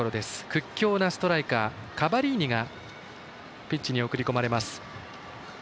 屈強なストライカーカバリーニがピッチに送り込まれます。